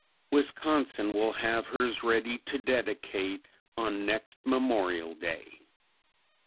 Wisconsin will have hers ready to dedicate on next Memorial Day.